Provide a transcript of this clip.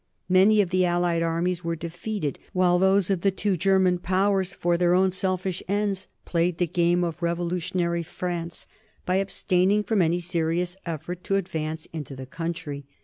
Many of the allied armies were defeated, while those of the two German Powers for their own selfish ends played the game of revolutionary France by abstaining from any serious effort to advance into the country.